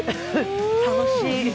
楽しい。